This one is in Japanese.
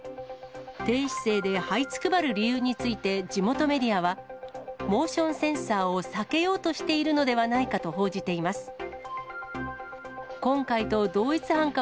低姿勢ではいつくばる理由について、地元メディアは、モーションセンサーを避けようとしているのではないかと報じています。